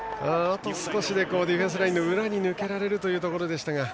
あと少しでディフェンスラインの裏に抜けられるというところでしたが。